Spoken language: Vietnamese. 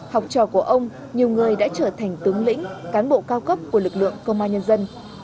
học trò của ông nhiều người đã trở thành tướng lĩnh cán bộ cao cấp của lực lượng công an nhân dân